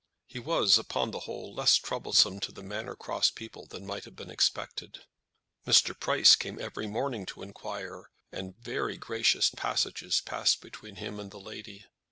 He was, upon the whole, less troublesome to the Manor Cross people than might have been expected. Mr. Price came every morning to enquire, and very gracious passages passed between him and the lady.